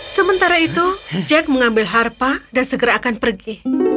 sementara itu jack mengambil harpa dan segera akan pergi